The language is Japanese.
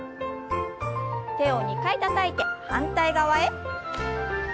手を２回たたいて反対側へ。